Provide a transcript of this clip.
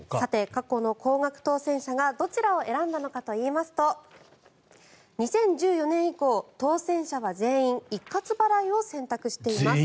過去の高額当選者がどちらを選んだのかといいますと２０１４年以降、当選者は全員一括払いを選択しています。